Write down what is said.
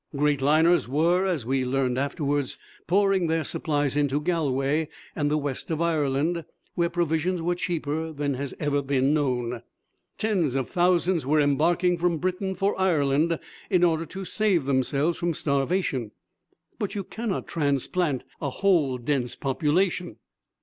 Great liners were, as we learned afterwards, pouring their supplies into Galway and the West of Ireland, where provisions were cheaper than has ever been known. Tens of thousands were embarking from Britain for Ireland in order to save themselves from starvation. But you cannot transplant a whole dense population.